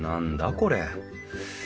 これ。